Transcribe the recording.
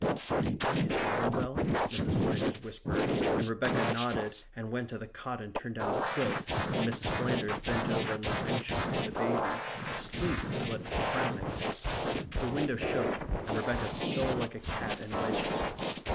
"Did he take his bottle well?" Mrs. Flanders whispered, and Rebecca nodded and went to the cot and turned down the quilt, and Mrs. Flanders bent over and looked anxiously at the baby, asleep, but frowning. The window shook, and Rebecca stole like a cat and wedged it.